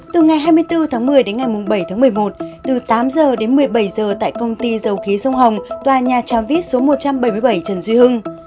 từ ngày hai mươi bốn một mươi đến ngày bảy một mươi một từ tám h một mươi bảy h tại công ty dầu khí sông hồng tòa nhà tram vít số một trăm bảy mươi bảy trần duy hưng